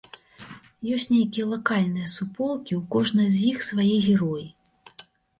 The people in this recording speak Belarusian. Ёсць нейкія лакальныя суполкі, у кожнай з іх свае героі.